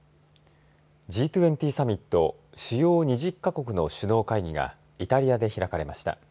Ｇ２０サミット＝主要２０か国の首脳会議がイタリアで開かれました。